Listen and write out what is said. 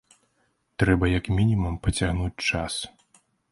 Трэба як мінімум пацягнуць час.